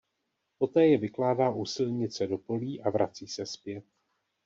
Poté je vykládá u silnice do polí a vrací se zpět.